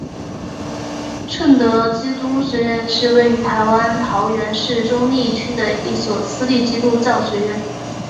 圣德基督学院是位于台湾桃园市中坜区的一所私立基督教学院。